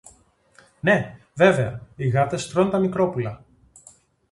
Ναι, βέβαια, οι γάτες τρων τα μικρόπουλα!